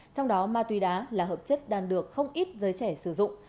trong đó ma túy đá là hợp chất đang được không ít giới trẻ sử dụng